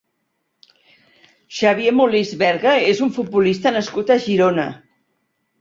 Xavier Molist Berga és un futbolista nascut a Girona.